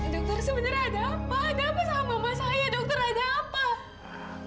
dokter sebenarnya ada apa ada apa sama mama saya dokter ada apa